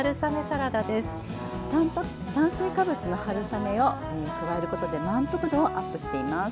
炭水化物の春雨を加えることで満腹度をアップしています。